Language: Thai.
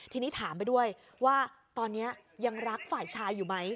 ทีนี้ถามไปด้วยว่าตอนนี้ยังรักฝ่ายชายอยู่ไหม